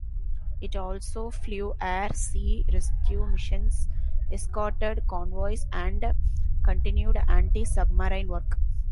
It also flew air sea rescue missions, escorted convoys and continued anti-submarine work.